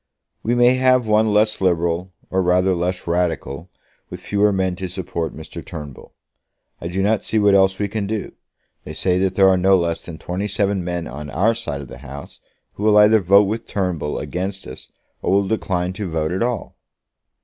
"We may have one less liberal, or rather less radical, with fewer men to support Mr. Turnbull. I do not see what else we can do. They say that there are no less than twenty seven men on our side of the House who will either vote with Turnbull against us, or will decline to vote at all."